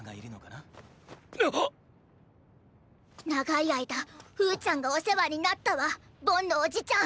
ながいあいだふーちゃんがおせわになったわボンのおじちゃん。